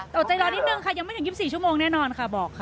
ตกใจรอนิดนึงค่ะยังไม่ถึง๒๔ชั่วโมงแน่นอนค่ะบอกค่ะ